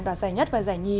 đoạt giải nhất và giải nhì